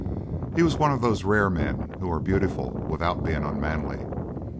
He was one of those rare men who are beautiful without being unmanly.